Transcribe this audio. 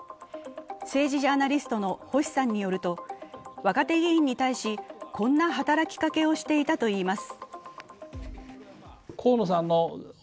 政治ジャーナリストの星さんによると、若手議員に対しこんな働きかけをしていたといいます。